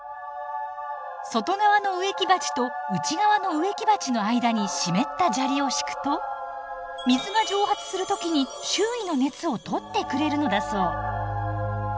外側の植木鉢と内側の植木鉢の間に湿った砂利を敷くと水が蒸発する時に周囲の熱を取ってくれるのだそう。